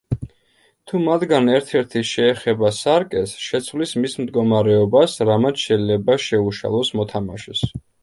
თუ მათგან ერთ-ერთი შეეხება სარკეს, შეცვლის მის მდგომარეობას, რამაც შეიძლება შეუშალოს მოთამაშეს.